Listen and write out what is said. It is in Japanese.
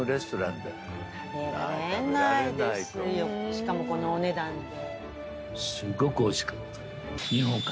しかもこのお値段で。